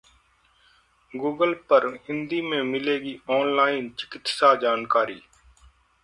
Google पर हिंदी में मिलेगी ऑनलाइन चिकित्सा जानकारी